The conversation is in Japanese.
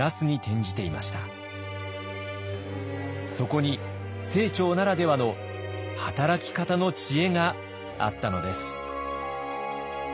そこに清張ならではの働き方の知恵があったのです。